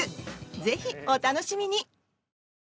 ぜひお楽しみに！